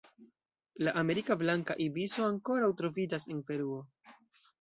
La Amerika blanka ibiso ankoraŭ troviĝas en Peruo.